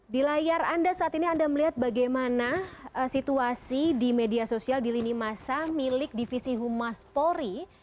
di layar anda saat ini anda melihat bagaimana situasi di media sosial di lini masa milik divisi humas polri